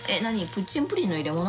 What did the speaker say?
プッチンプリンの入れ物？